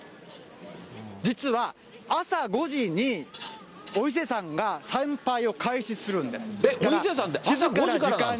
実は、朝５時に、お伊勢さんが参拝を開始するんです。